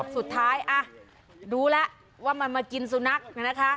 สุดท้ายรู้แล้วว่ามันมากินสุนัขนะคะ